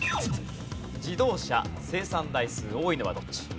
自動車生産台数多いのはどっち？